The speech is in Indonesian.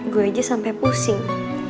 gue aja sampe pusing